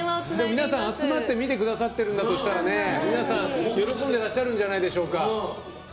皆さん集まって見てくださってるんだとしたら皆さん喜んでらっしゃるんじゃないでしょうか。